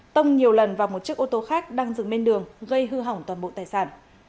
tông nhiều lần vào một chiếc ô tô khác đang dừng bên đường gây hư hỏng toàn bộ tài sản